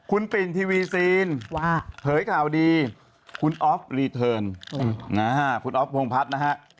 คุณปิ่นทีวีซีนเผยข่าวดีคุณออฟรีเทิร์นคุณอ๊อฟพงพัฒน์นะฮะ